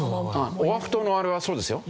オアフ島のあれはそうですよ。